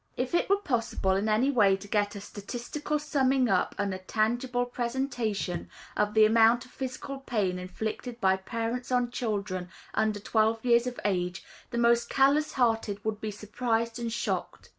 If it were possible in any way to get a statistical summing up and a tangible presentation of the amount of physical pain inflicted by parents on children under twelve years of age, the most callous hearted would be surprised and shocked.